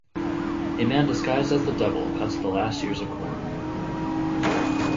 A man disguised as the Devil cuts the last ears of corn.